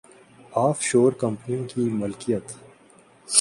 of شور کمپنیوں کی ملکیت‘